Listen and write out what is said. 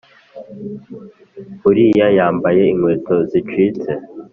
Uriya yambaye inkweto zicitse